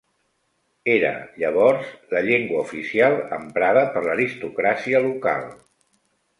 Era, llavors, la llengua oficial emprada per l'aristocràcia local.